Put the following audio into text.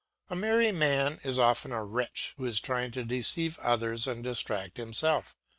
A merry man is often a wretch who is trying to deceive others and distract himself.